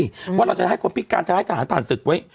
เพราะเราจะให้คนภิการจะให้คนภอนศึกไว้